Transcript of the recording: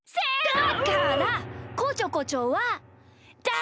だからこちょこちょはだめ！